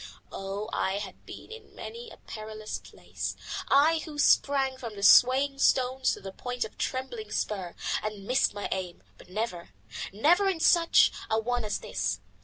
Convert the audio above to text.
Oh! I have been in many a perilous place, I who sprang from the Swaying Stone to the point of the Trembling Spur, and missed my aim, but never, never in such a one as this.